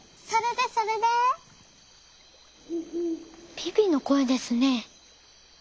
ビビのこえですね。